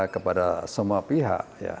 kepada semua pihak ya